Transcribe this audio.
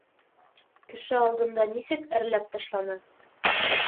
Кеше алдында нисек әрләп ташланы.